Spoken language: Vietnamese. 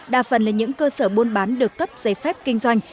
đa phần là những cơ sở buôn bán được cấp giấy phép kinh doanh